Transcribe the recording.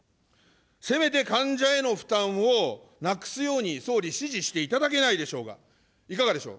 せめて患者への負担をなくすように、総理、指示していただけないでしょうか。